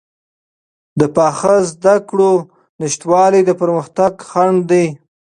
د پاخه زده کړو نشتوالی د پرمختګ خنډ دی.